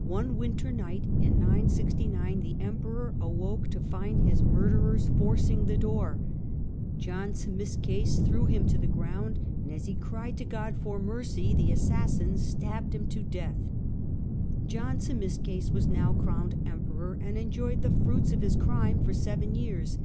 One winter night in 969 the Emperor awoke to find his murderers forcing the door. (Co regent John Zimisces threw him to the ground, and as he cried jSirTr^"" to God for mercy the assassins stabbed him to death. 969^976?' Jo^^^ Zimisces was now crowned Emperor, and enjoyed the fruits of his crime for seven years.